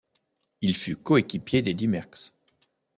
Il fut coéquipier d'Eddy Merckx.